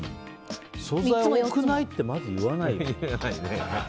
総菜多くない？ってまず言わないよ。